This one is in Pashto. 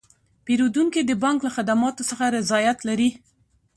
پیرودونکي د بانک له خدماتو څخه رضایت لري.